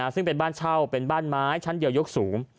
ซึ่งเป็นบ้านเช่าเป็นบ้านไม้ชั้นเดียวยกสูง